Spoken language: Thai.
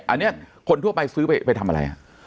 อันนี้คนทั่วไปซื้อไปทำอะไร